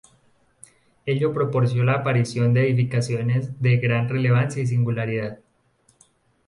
Ello propició la aparición de edificaciones de gran relevancia y singularidad.